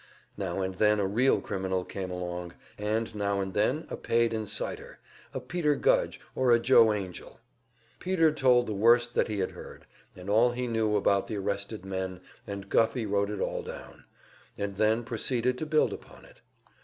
Now and then a real criminal came along, and now and then a paid inciter, a Peter Gudge or a Joe Angell. Peter told the worst that he had heard, and all he knew about the arrested men, and Guffey wrote it all down, and then proceeded to build upon it.